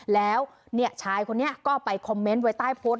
แล้วชายคนนี้ก็ไปคอมเมนต์ไว้ใต้โพสต์